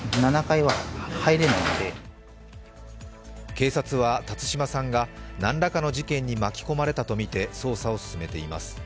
警察は、辰島さんが何らかの事件に巻き込まれたとみて捜査を進めています。